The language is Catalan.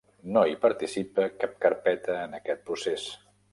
No hi participa cap carpeta en aquest procés.